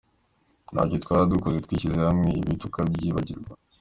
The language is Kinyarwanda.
Ntacyo twaba dukoze twishyize hamwe ibi tukabyibagirwa.